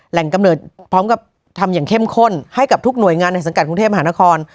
กำเนิดพร้อมกับทำอย่างเข้มข้นให้กับทุกหน่วยงานในสังกัดกรุงเทพมหานคร